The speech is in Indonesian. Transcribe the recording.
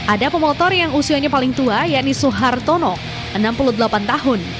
ada pemotor yang usianya paling tua yaitu suhartono enam puluh delapan tahun